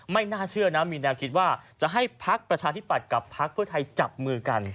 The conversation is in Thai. ไม่น่าเชื่อนะมีแนวคิดว่าจะให้พักประชาธิปัตย์กับพักเพื่อไทยจับมือกัน